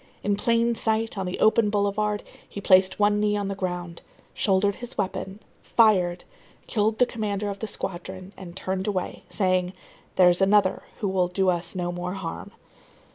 In plain sight, on the open boulevard, he placed one knee on the ground, shouldered his weapon, fired, killed the commander of the squadron, and turned away, saying: "There's another who will do us no more harm."